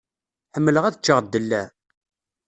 Ḥemmleɣ ad ččeɣ ddellaε.